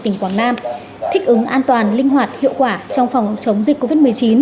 tỉnh quảng nam thích ứng an toàn linh hoạt hiệu quả trong phòng chống dịch covid một mươi chín